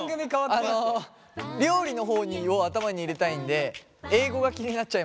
あの料理の方を頭に入れたいんで英語が気になっちゃいます。